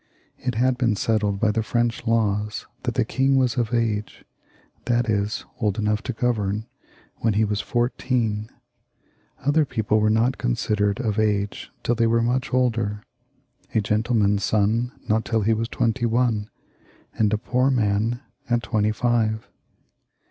It had been settled by the French laws that the king was of age, that is, old enough to govern, when he was fourteen. Other people were not considered of age till they were much older — a gentleman's son not till he was twenty one, and a poor man at twenty five.